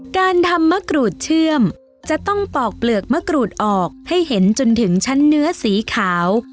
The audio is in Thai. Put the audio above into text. การทำมะกรูดเชื่อมจะต้องปอกเปลือกมะกรูดออกให้เห็นจนถึงชั้นเนื้อสีขาว